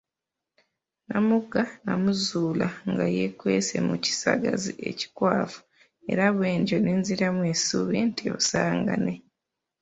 Namugga namuzuula nga yeekwese mu kisagazi ekikwafu era bwentyo nenziramu essuubi nti osanga ne